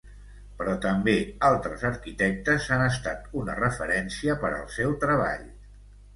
Però també altres arquitectes han estat una referència per al seu treball.